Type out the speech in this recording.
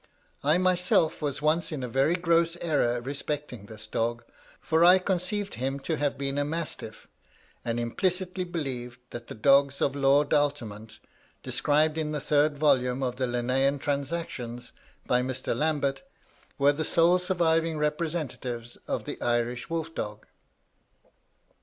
I myself was once in a very gross error respecting this dog, for I conceived him to have been a mastiff, and implicitly believed that the dogs of Lord Altamont, described in the third volume of the Linnean 'Transactions' by Mr. Lambert, were the sole surviving representatives of the Irish wolf dog.